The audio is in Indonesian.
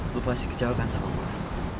lo pasti kecewakan sama gue